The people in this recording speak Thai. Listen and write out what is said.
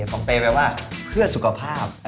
สงเตยแปลว่าเพื่อสุขภาพ